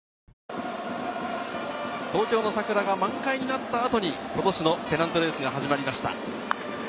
東京の桜が満開になった後に今年のペナントレースが始まりました。